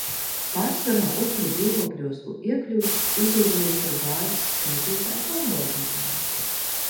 Pārsvarā upuru dzīvokļos iekļuvis, uzdodamies par gāzes skaitītāju pārbaudītāju.